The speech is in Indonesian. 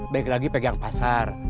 baik lagi pegang pasar